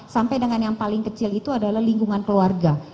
sampai dengan yang paling kecil itu adalah lingkungan keluarga